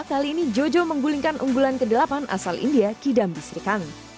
kali ini jojo menggulingkan unggulan kedelapan asal india kidambi srikang